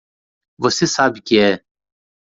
Você sabe que é!